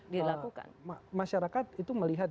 dilakukan masyarakat itu melihat